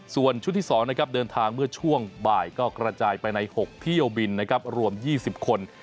ส่วนชุดที่สองนะครับเดินทางเมื่อช่วงบ่ายก็กระจายไปใน๖ที่เยาว์บินนะครับรวม๒๐คน